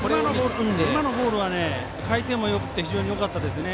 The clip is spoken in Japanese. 今のボールは回転もよくて非常によかったですね。